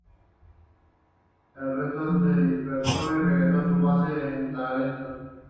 El resto se dispersó y regresó a su base en Tarento.